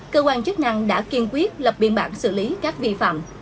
cơ quan chức năng đã kiên quyết lập biên bản xử lý các vi phạm